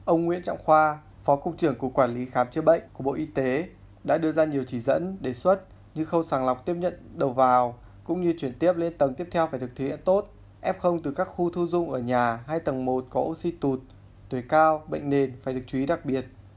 ông nguyễn trọng khoa phó cục trưởng cục quản lý khám chữa bệnh của bộ y tế đã đưa ra nhiều chỉ dẫn đề xuất như khâu sàng lọc tiếp nhận đầu vào cũng như chuyển tiếp lên tầng tiếp theo phải được thế hệ tốt f từ các khu thu dung ở nhà hay tầng một có oxy tụt tuổi cao bệnh nền phải được chú ý đặc biệt